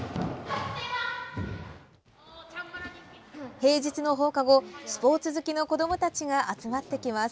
平日の放課後、スポーツ好きの子どもたちが集まってきます。